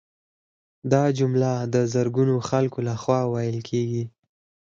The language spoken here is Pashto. دا جمله د زرګونو خلکو لخوا ویل کیږي